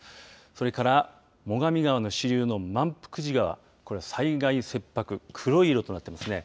それから最上川の支流の万福寺川これ災害切迫黒い色となっています。